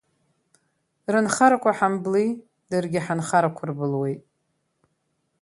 Рынхарақәа ҳамбли, даргьы ҳанхарақәа рбылуеит.